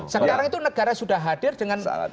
sekarang itu negara sudah hadir dengan